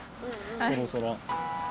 そろそろ。